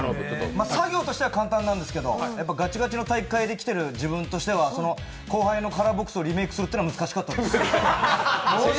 作業としては簡単なんですけどやっぱガチガチの体育会できてる自分としては後輩のカラーボックスをリメークするというのは難しかったです。